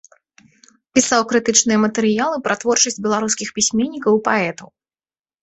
Пісаў крытычныя матэрыялы пра творчасць беларускіх пісьменнікаў і паэтаў.